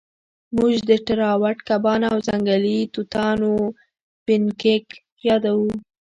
موږ د ټراوټ کبانو او ځنګلي توتانو پینکیک یادوو